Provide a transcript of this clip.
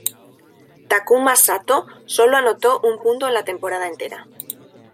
Takuma Satō sólo anotó un punto en la temporada entera.